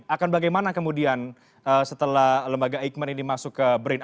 akan bagaimana kemudian setelah lembaga eijkman ini masuk ke brin